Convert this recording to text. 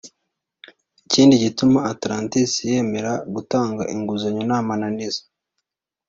Ikindi gituma atlantis yemera gutanga inguzanyo nta mananiza